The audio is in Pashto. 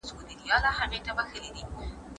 د فلزي قطیو کارول هم ښه دي.